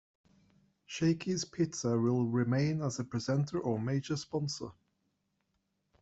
Shakey's Pizza will remain as a presenter or major sponsor.